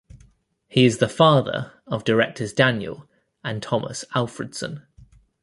He is the father of directors Daniel and Tomas Alfredson.